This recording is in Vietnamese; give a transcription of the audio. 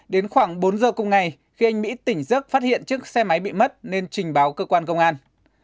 đến khoảng bốn giờ cùng ngày khi anh mỹ tỉnh dấp phát hiện chiếc xe máy bị mất nên trình báo cơ quan công an